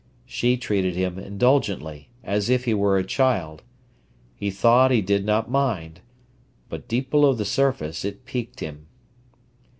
She treated him indulgently, as if he were a child. He thought he did not mind. But deep below the surface it piqued him.